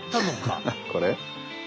これ？